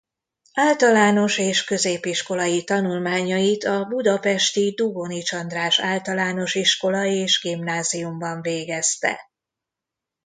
Általános és középiskolai tanulmányait a budapesti Dugonics András Általános Iskola és Gimnáziumban végezte.